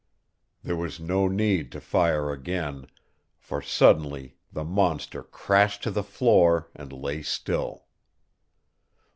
There was no need to fire again, for suddenly the monster crashed to the floor and lay still.